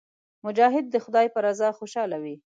مجاهد د خدای په رضا خوشاله وي.